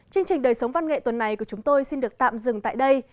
chương trình đời sống văn nghệ tuần này của chúng tôi xin được tạm dừng tại đây